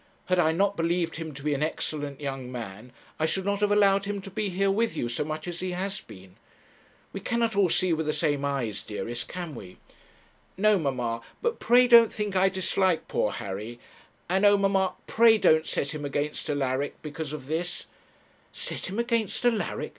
Had I not believed him to be an excellent young man, I should not have allowed him to be here with you so much as he has been. We cannot all see with the same eyes, dearest, can we?' 'No, mamma; but pray don't think I dislike poor Harry; and, oh! mamma, pray don't set him against Alaric because of this ' 'Set him against Alaric!